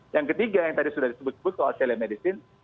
yang ketiga yang tadi sudah disebut sebut soal telemedicine